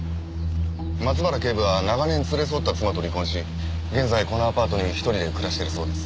松原警部は長年連れ添った妻と離婚し現在このアパートに１人で暮らしてるそうです。